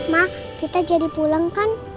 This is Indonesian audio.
mak kita jadi pulang kan